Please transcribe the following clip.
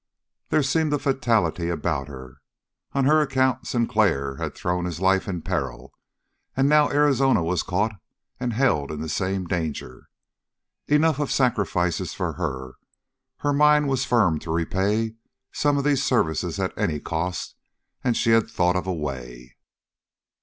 There seemed a fatality about her. On her account Sinclair had thrown his life in peril, and now Arizona was caught and held in the same danger. Enough of sacrifices for her; her mind was firm to repay some of these services at any cost, and she had thought of a way.